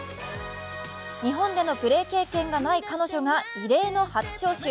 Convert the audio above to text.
日本でのプレー経験がない彼女が異例の初招集。